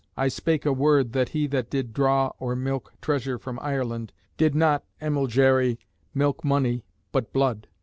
"I spake a word, that he that did draw or milk treasure from Ireland, did not, emulgere, milk money, but blood."